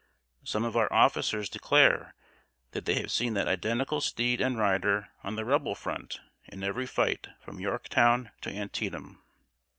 Some of our officers declare that they have seen that identical steed and rider on the Rebel front in every fight from Yorktown to Antietam.